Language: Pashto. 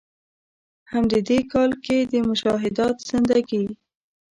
هم د ې کال کښې د“مشاهدات زندګي ”